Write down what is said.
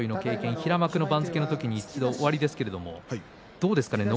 平幕の番付の時に一度おありですけれどどうですか？